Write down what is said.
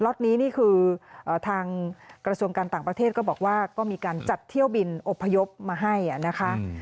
็อตนี้นี่คือทางกระทรวงการต่างประเทศก็บอกว่าก็มีการจัดเที่ยวบินอบพยพมาให้นะคะ